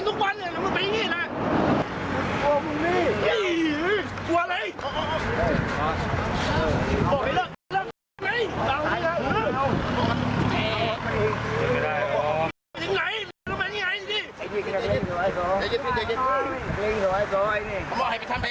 มันคือตาพรงช์อยู่